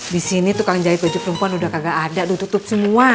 di sini tukang jahit baju perempuan udah kagak ada udah tutup semua